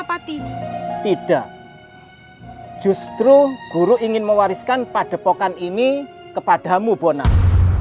apa tidak tidak justru guru ingin mewariskan padepokan ini kepadamu bonang